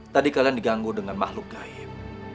tadi kalian diganggu dengan makhluk gaib